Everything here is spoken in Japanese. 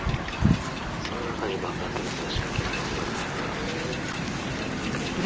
「その中に爆発物が仕掛けられてたんだな」